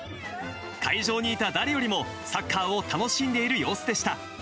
会場にいた誰よりも、サッカーを楽しんでいる様子でした。